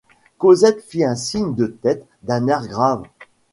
Cosette fit un signe de tête d’un air grave.